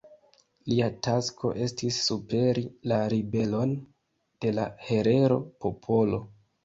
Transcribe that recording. Lia tasko estis superi la ribelon de la herero-popolo.